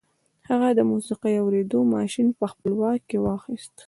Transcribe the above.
هغه د موسیقي اورېدو ماشين په خپل واک کې واخیست